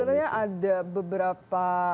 sebenarnya ada beberapa kasus